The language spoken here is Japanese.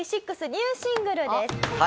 ニューシングルです。